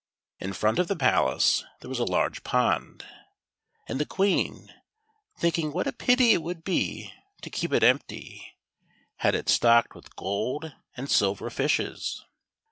In front of the palace there w'as a large pond, and the Queen, thinking what a pity it would be to keep it empty, had it stocked with gold and silver fishes.